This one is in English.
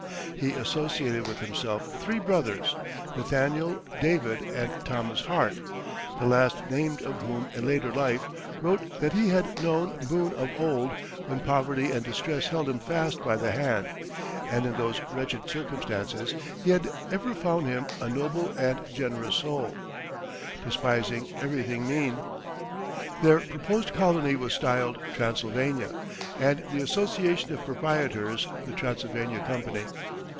He associated with himself three brothers, Nathaniel, David, and Thomas Hart, the last named of whom in later life wrote that he "had known Boone of old, when poverty and distress held him fast by the hand; and in those wretched circumstances he had ever found him a noble and generous soul, despising everything mean." Their proposed colony was styled Transylvania, and the association of proprietors the Transylvania Company.